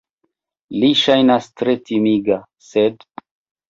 Li ŝajnas tre timiga... sed!